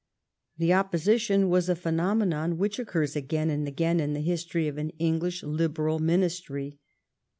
The opposition was a phenomenon which occurs again and again in the history of an Eng lish Liberal Ministry.